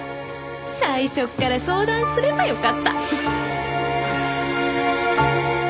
最初っから相談すればよかった。